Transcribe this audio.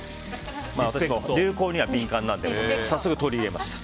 流行には敏感なので早速、取り入れました。